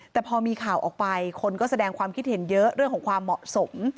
แต่พอมีข่าวออกไปคนก็แสดงความคิดเห็นเยอะเรื่องของความเหมาะสม